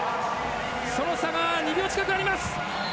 その差は２秒近くあります。